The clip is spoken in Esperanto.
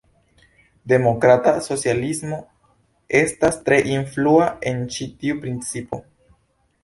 Demokrata socialismo estas tre influa en ĉi tiu principo.